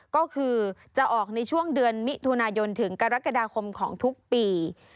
ก็คือจะออกในช่วงเดือนมิถุนายนถึงกรกฎาคมของทุกปี